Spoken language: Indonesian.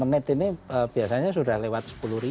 sepuluh menit ini biasanya sudah lewat sepuluh